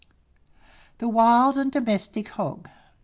THE WILD AND DOMESTIC HOG.